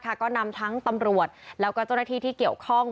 ก็นำทั้งตำรวจแล้วก็เจ้าหน้าที่ที่เกี่ยวข้อง